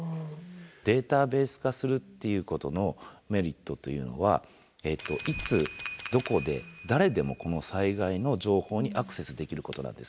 データベース化するっていうことのメリットというのはいつどこで誰でもこの災害の情報にアクセスできることなんです。